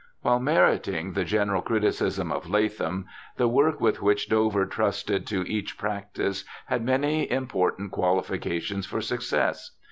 While meriting the general criticism of Latham, the work with which Dover trusted to reach practice had many important qualifications for success.